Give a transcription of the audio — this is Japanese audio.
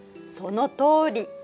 そのとおり。